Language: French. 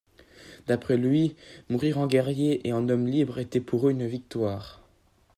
D'après lui, mourir en guerriers et en hommes libres était pour eux une victoire.